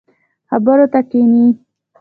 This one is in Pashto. خبرو ته کښیني.